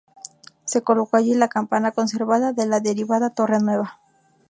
Se colocó allí la campana conservada de la derribada Torre Nueva.